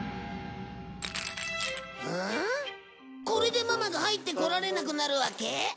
これでママが入ってこられなくなるわけ？